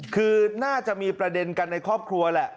คือน่าจะมีประเด็นกันในครอบครัวแหละ